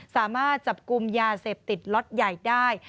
สามารถจับกลุ่มยาเสพติดล็อตใหญ่ได้